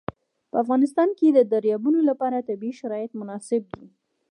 په افغانستان کې د دریابونه لپاره طبیعي شرایط مناسب دي.